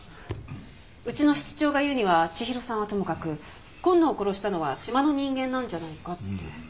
うちの室長が言うには千尋さんはともかく今野を殺したのは島の人間なんじゃないかって。